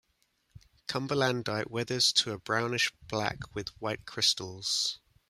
Cumberlandite weathers to a brownish black with white crystals.